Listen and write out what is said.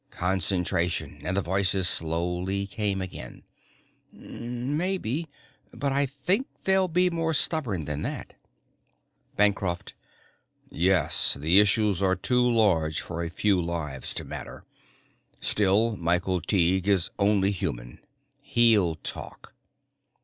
Concentration, and the voices slowly came again: " maybe. But I think they'll be more stubborn than that." Bancroft: "Yes. The issues are too large for a few lives to matter. Still, Michael Tighe is only human. He'll talk."